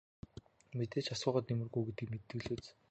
Мэдээж асуугаад нэмэргүй гэдгийг нь мэддэг биз.